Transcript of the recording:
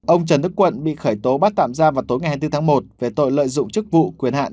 ông trần đức quận bị khởi tố bắt tạm ra vào tối ngày hai mươi bốn tháng một về tội lợi dụng chức vụ quyền hạn